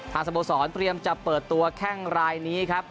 สโมสรเตรียมจะเปิดตัวแข้งรายนี้ครับ